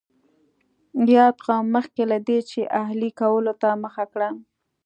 یاد قوم مخکې له دې چې اهلي کولو ته مخه کړي.